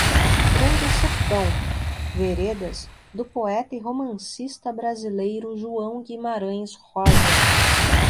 Grande Sertão: Veredas, do poeta e romancista brasileiro João Guimarães Rosa